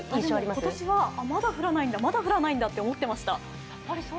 今年はまだ降らないんだ、まだ降らないんだと思ってました。